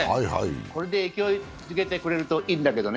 これで勢いづけてくれるといいんだけどね。